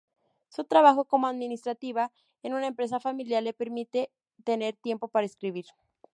Su trabajo como administrativa en una empresa familiar le permite tener tiempo para escribir.